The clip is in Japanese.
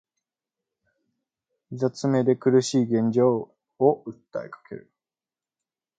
膝詰めで苦しい現状を訴えかける